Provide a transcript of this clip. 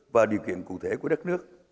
và điều kiện cụ thể của đất nước